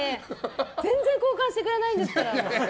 全然交換してくれないんですから。